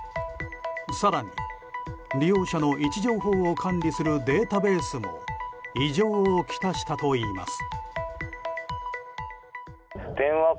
更に、利用者の位置情報を管理するデータベースも異常をきたしたといいます。